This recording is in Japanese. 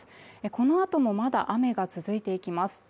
この後もまだ雨が続いていきます。